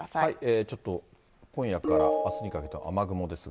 ちょっと今夜からあすにかけての雨雲ですが。